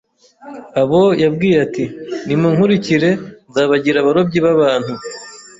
Abo yabwiye ati, “Nimunkurikire nzabagira abarobyi b’abantu”